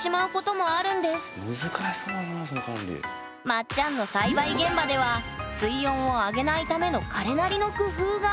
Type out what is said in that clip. まっちゃんの栽培現場では水温を上げないための彼なりの工夫が！